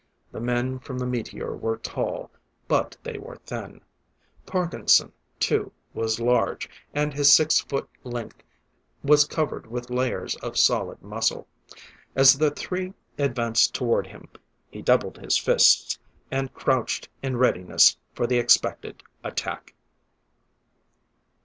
The men from the meteor were tall, but they were thin; Parkinson, too, was large, and his six foot length was covered with layers of solid muscle. As the three advanced toward him, he doubled his fists, and crouched in readiness for the expected attack.